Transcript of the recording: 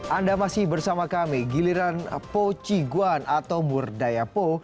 anda masih bersama kami giliran po chi guan atau murdaya po